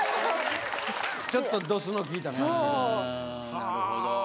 なるほど。